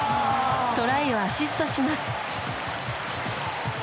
トライをアシストします。